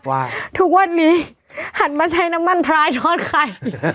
ทุกวันนี้หันมาใช้น้ำมันพลายทอดไข่